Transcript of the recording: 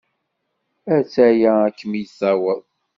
A-tt-aya ad kem-in-taweḍ.